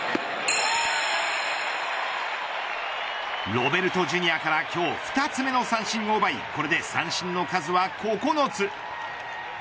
ロベルト・ジュニアから今日２つ目の三振を奪いこれで三振の数は９つ。